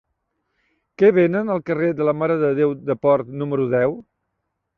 Què venen al carrer de la Mare de Déu de Port número deu?